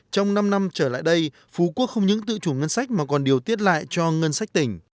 trong năm năm trở lại đây phú quốc không những tự chủ ngân sách mà còn điều tiết lại cho ngân sách tỉnh